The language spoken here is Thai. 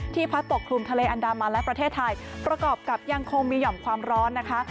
พัดปกคลุมทะเลอันดามันและประเทศไทยประกอบกับยังคงมีห่อมความร้อนนะคะ